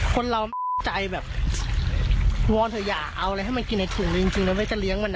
คนเรามั่นใจแบบวอนเถอะอย่าเอาอะไรให้มันกินในถุงจริงแล้วไม่จะเลี้ยงมัน